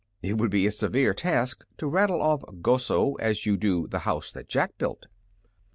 It would be a severe task to rattle off "Goso" as you do "The House that Jack Built."